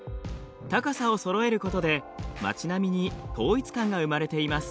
高さをそろえることで町並みに統一感が生まれています。